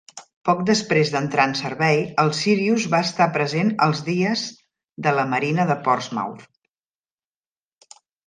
Poc després d'entrar en servei, el Sirius va estar present als Dies de la Marina de Portsmouth.